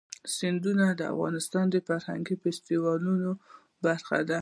سیندونه د افغانستان د فرهنګي فستیوالونو برخه ده.